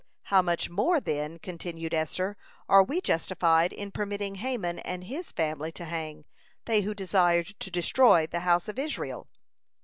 "How much more, then," continued Esther, "are we justified in permitting Haman and his family to hang, they who desired to destroy the house of Israel?"